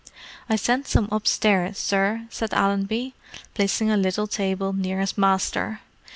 "I sent some upstairs, sir," said Allenby, placing a little table near his master.